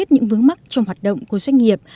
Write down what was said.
những vấn mắc trong hoạt động của doanh nghiệp